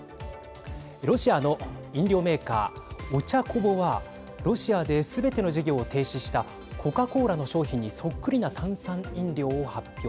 ロシアの飲料メーカーオチャコボはロシアで、すべての事業を停止したコカ・コーラの商品にそっくりな炭酸飲料を発表